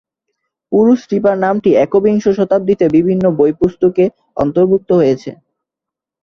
পুরুষ স্ট্রিপার নামটি একবিংশ শতাব্দীতে বিভিন্ন বই পুস্তকে অন্তর্ভুক্ত হয়েছে।